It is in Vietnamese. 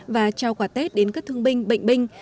và trao quà tết đến các thương binh bệnh binh